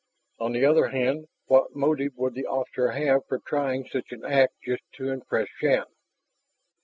On the other hand what motive would the officer have for trying such an act just to impress Shann?